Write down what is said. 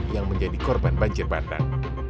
yang menjadi korban banjir bandang